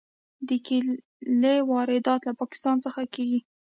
د کیلې واردات له پاکستان څخه کیږي.